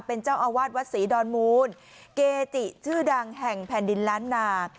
เป็นเจ้าอาวาสวัดศรีดอนมูลเกจิชื่อดังแห่งแผ่นดินล้านนา